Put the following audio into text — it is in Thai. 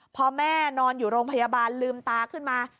พอแม่นอนอยู่โรงพยาบาลลืมตาขึ้นมา